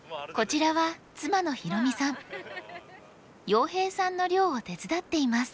洋平さんの漁を手伝っています。